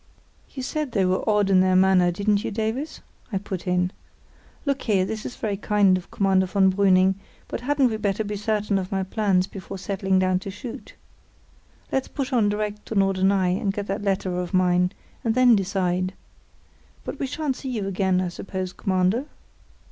"You said they were odd in their manner, didn't you, Davies?" I put in. "Look here, this is very kind of Commander von Brüning; but hadn't we better be certain of my plans before settling down to shoot? Let's push on direct to Norderney and get that letter of mine, and then decide. But we shan't see you again, I suppose, Commander?"